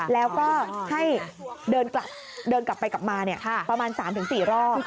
แล้วก็ให้เดินกลับไปกลับมาประมาณ๓๔รอบ